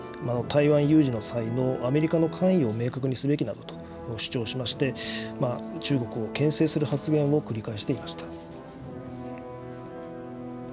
ことしに入ってからも、台湾有事の際のアメリカの関与を明確にすべきなどと主張しまして、中国をけん制する発言を繰り返していました。